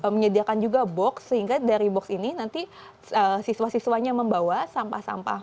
menyediakan juga box sehingga dari box ini nanti siswa siswanya membawa sampah sampah